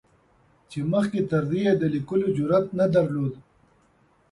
چې مخکې تر دې یې د لیکلو جرعت نه درلود.